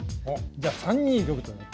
じゃあ３二玉と。